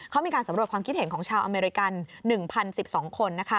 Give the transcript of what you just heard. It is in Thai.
เขามีการสำรวจความคิดเห็นของชาวอเมริกัน๑๐๑๒คน